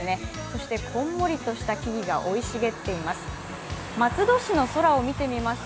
そしてこんもりとした木々が生い茂っています。